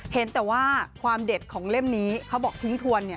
เห็นแต่ว่าความเด็ดของเล่มนี้เขาบอกทิ้งทวน